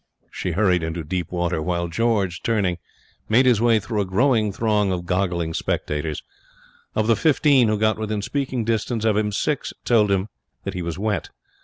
She hurried into deeper water, while George, turning, made his way through a growing throng of goggling spectators. Of the fifteen who got within speaking distance of him, six told him that he was wet.